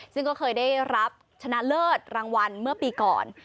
ซึ่งก็เคยได้รับชนะเลิศรางวัลเมื่อปีก่อน